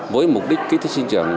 với mục đích kỹ thức sinh trưởng